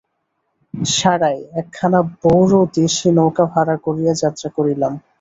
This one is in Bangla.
সাঁড়ায় একখানা বড়ো দেশী নৌকা ভাড়া করিয়া যাত্রা করিলাম।